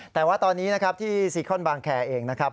แต่ว่าตอนนี้นะครับที่ซีคอนบางแคร์เองนะครับ